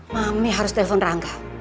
mami harus telepon rangga